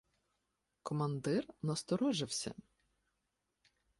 Командир насторожився.